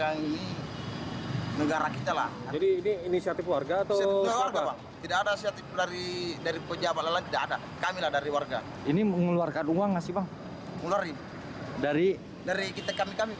uang buat ya ini aja pak buat beli bambu dengan bendera